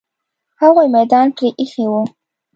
هغوی میدان پرې ایښی وو.